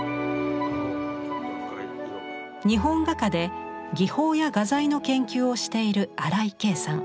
日本画家で技法や画材の研究をしている荒井経さん。